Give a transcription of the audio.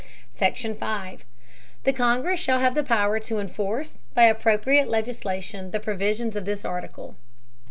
SECTION 5. The Congress shall have power to enforce, by appropriate legislation, the provisions of this article.